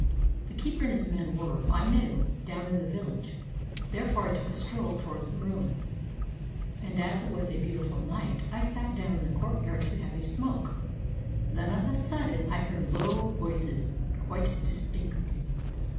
The keeper and his men were, I knew, down in the village; therefore I took a stroll towards the ruins, and, as it was a beautiful night, I sat down in the courtyard to have a smoke. Then, of a sudden, I heard low voices quite distinctly.